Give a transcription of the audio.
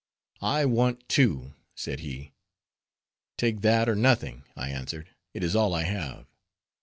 "I want two," said he. "Take that or nothing," I answered; "it is all I have."